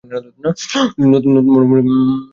তিনি নতুন বর্ণমালার বিষয়ে উল্লেখ ক্করেন।